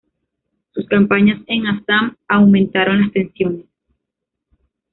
Sus campañas en Assam aumentaron las tensiones.